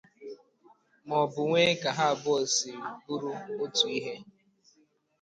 maọbụ nwee ka ha abụọ si bụrụ otu ihe.